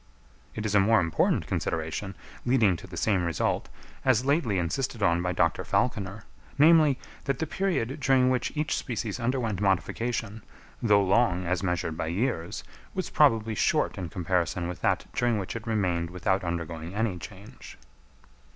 It is a more important consideration, leading to the same result, as lately insisted on by Dr. Falconer, namely, that the period during which each species underwent modification, though long as measured by years, was probably short in comparison with that during which it remained without undergoing any change.